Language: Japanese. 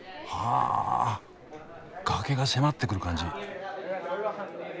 あ崖が迫ってくる感じ。